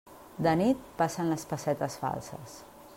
De nit, passen les pessetes falses.